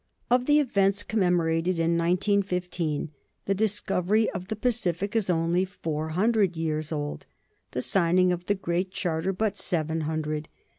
Of the events commemorated in 1915 the discovery of the Pacific is only four hundred years old, the signing of the Great Charter but seven hundred.